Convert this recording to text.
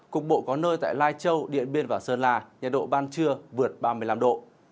cục bộ có nơi tại lai châu điện biên và sơn la nhiệt độ ban trưa vượt ba mươi năm độ